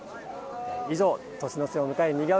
以上、年の瀬を迎えにぎわう